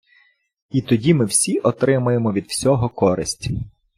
І тоді ми всі отримаємо від всього користь.